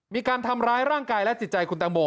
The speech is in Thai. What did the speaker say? มีการทำร้ายร่างกายและจิตใจคุณตังโม